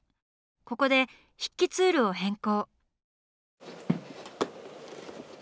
ここで筆記ツールを変更。